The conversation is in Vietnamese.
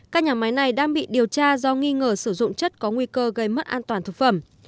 các nhà máy này đang bị điều tra do nghi ngờ sử dụng chất có nguy cơ gây mất an toàn thực phẩm